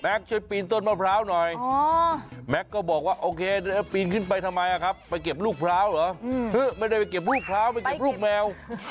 ช่วยปีนต้นมะพร้าวหน่อยแม็กซ์ก็บอกว่าโอเคปีนขึ้นไปทำไมครับไปเก็บลูกพร้าวเหรอไม่ได้ไปเก็บลูกพร้าวไปเก็บลูกแมว